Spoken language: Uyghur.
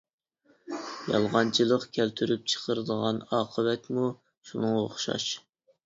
يالغانچىلىق كەلتۈرۈپ چىقىرىدىغان ئاقىۋەتمۇ شۇنىڭغا ئوخشاش.